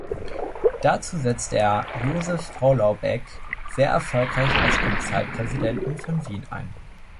Dazu setzte er Josef Holaubek sehr erfolgreich als Polizeipräsidenten von Wien ein.